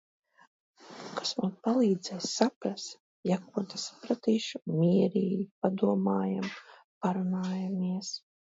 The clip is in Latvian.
Un kas man palīdzēs saprast, ja ko nesapratīšu?... mierīgi padomājām, parunājāmies...